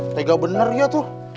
tega bener ya tuh